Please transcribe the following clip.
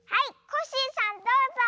コッシーさんどうぞ！